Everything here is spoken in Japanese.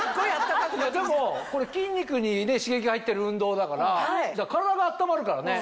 でもこれ筋肉に刺激が行ってる運動だから体が温まるからね。